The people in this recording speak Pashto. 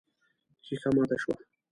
ښيښه ماته شوه.